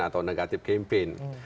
atau negatif campaign